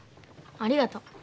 ありがとう。